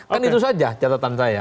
kan itu saja catatan saya